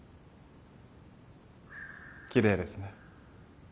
きれいですね。